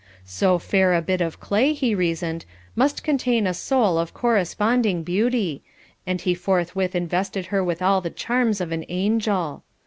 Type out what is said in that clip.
So fair a bit of clay, he reasoned, must contain a soul of corresponding beauty, and he forthwith invested her with all the charms of an angel.